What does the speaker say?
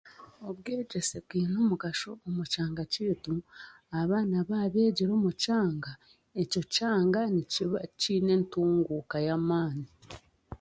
Obwegyesa bwiine omugasho omu'kyanga kyeitu abaana b'abegyire omu kyanga, ekyo kyanga nikiba kyeine entunguuka yamaani.